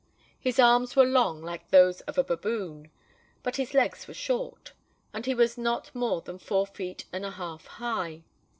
His arms were long like those of a baboon; but his legs were short; and he was not more than four feet and a half high.